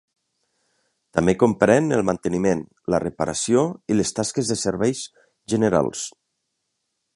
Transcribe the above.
També comprèn el manteniment, la reparació i les tasques de serveis generals.